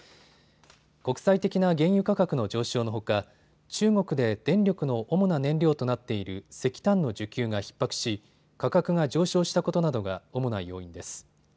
国際的な原油価格の上昇のほか中国で電力の主な燃料となっている石炭の需給がひっ迫し、価格が上昇したことなどが主な要因です。